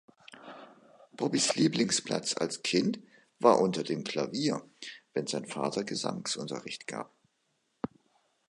Bobbys Lieblingsplatz als Kind war unter dem Klavier, wenn sein Vater Gesangsunterricht gab.